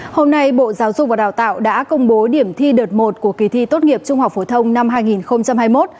hôm nay bộ giáo dục và đào tạo đã công bố điểm thi đợt một của kỳ thi tốt nghiệp trung học phổ thông năm hai nghìn hai mươi một